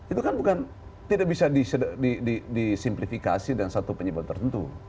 itu kan bukan tidak bisa disimplifikasi dengan satu penyebab tertentu